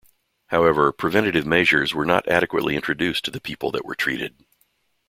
However, preventative measures were not adequately introduced to the people that were treated.